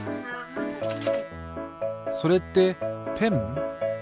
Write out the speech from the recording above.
それってペン？